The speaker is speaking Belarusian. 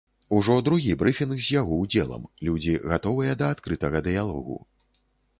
Ужо другі брыфінг з яго ўдзелам, людзі гатовыя да адкрытага дыялогу.